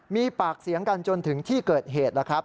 มีปากเสียงกันจนถึงที่เกิดเหตุแล้วครับ